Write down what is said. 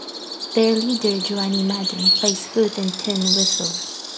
Their leader Joanie Madden plays flute and tin whistle.